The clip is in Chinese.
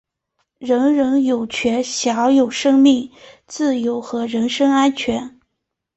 人人有权享有生命、自由和人身安全。